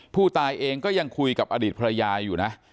ผู้ตายเองก็ยังคุยกับอดีตภรรยาอยู่นะ